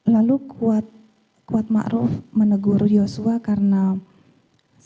lalu kuat mak ruf menegur yosua karena saya tidak berpikir